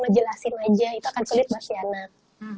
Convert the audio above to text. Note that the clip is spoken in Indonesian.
ngejelasin aja itu akan sulit buat si anak